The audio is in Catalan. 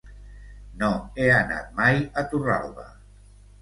No he anat mai a Torralba.